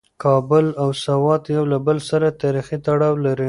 کابل او سوات یو له بل سره تاریخي تړاو لري.